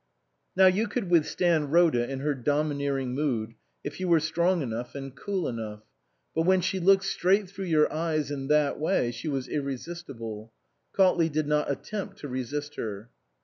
Now you could withstand Rhoda in her domineering mood if you were strong enough and cool enough ; but when she looked straight through your eyes in that way she was irresist ible. Cautley did not attempt to resist her.